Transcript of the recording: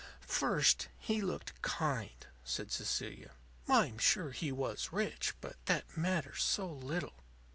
"First, he looked kind," said Cecilia. "I'm sure he was rich; but that matters so little.